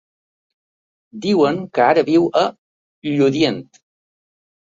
Diuen que ara viu a Lludient.